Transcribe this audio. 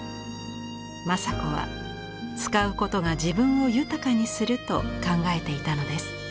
正子は使うことが自分を豊かにすると考えていたのです。